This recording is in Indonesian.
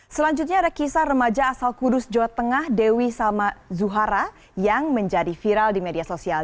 selanjutnya ada kisah remaja asal kudus jawa tengah dewi zuhara yang menjadi viral di media sosial